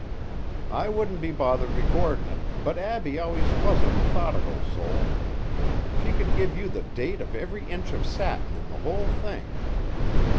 I wouldn't be bothered recordin' it but Abbie always was a methodical soul. She could give you the date of every inch of satin in the whole thing.